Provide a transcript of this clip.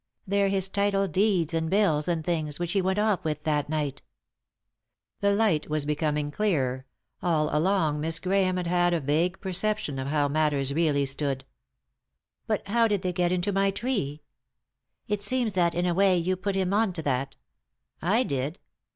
" They're his title deeds, and bills, and things, which he went off with that night" The light was becoming clearer — all along Miss Grahame had had a vague perception of how matters really stood " But how did they get into my tree ?"" It seems that, in a way, you put him on to that." "I did?"